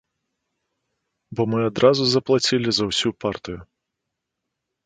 Бо мы адразу заплацілі за ўсю партыю.